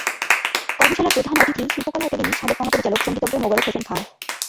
কর্মশালার প্রধান অতিথি শিল্পকলা একাডেমীর সাবেক মহাপরিচালক সংগীতজ্ঞ মোবারক হোসেন খান।